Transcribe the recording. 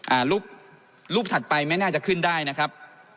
อ่ารูปรูปถัดไปไม่น่าจะขึ้นได้นะครับ